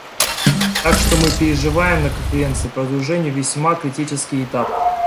Так что мы переживаем на Конференции по разоружению весьма критический этап.